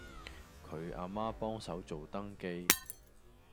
佢阿媽幫手做登記